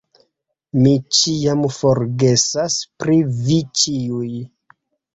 Mi ĉiam forgesas pri vi ĉiuj